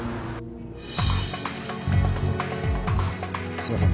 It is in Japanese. すみません